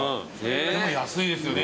でも安いですよね。